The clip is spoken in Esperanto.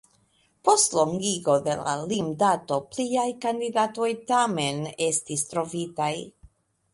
Post longigo de la limdato pliaj kandidatoj tamen estis trovitaj.